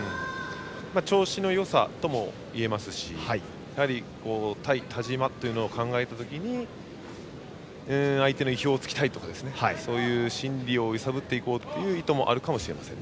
調子のよさともいえますし対田嶋を考えた時に相手の意表を突きたいとかそういう心理を揺さぶっていこうという意図もあるかもしれません。